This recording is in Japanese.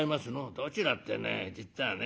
「どちらってね実はね